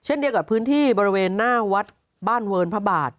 เดียวกับพื้นที่บริเวณหน้าวัดบ้านเวิร์นพระบาท